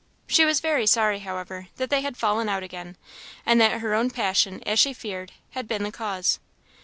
She was very sorry, however, that they had fallen out again, and that her own passion, as she feared, had been the cause.